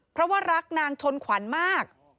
เพราะว่ารักนางชนขวัญมาก